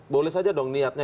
boleh saja dong niatnya